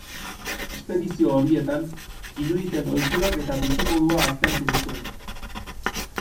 Espedizio horietan, inuiten ohiturak eta bizimodua aztertu zituen.